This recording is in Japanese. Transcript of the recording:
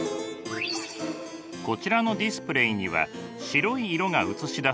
こちらのディスプレイには白い色が映し出されています。